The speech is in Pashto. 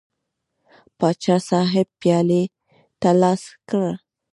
پاچا صاحب پیالې ته لاس کړ.